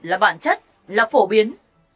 là bản chất là phổ biến